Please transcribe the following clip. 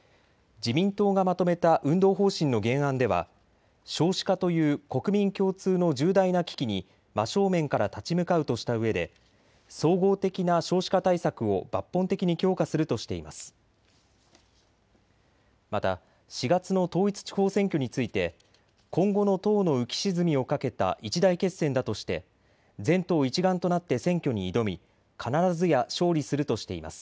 自民党がまとめた運動方針の原案では少子化という国民共通の重大な危機に真正面から立ち向かうとしたうえで総合的な少子化対策を抜本的に強化するとしています。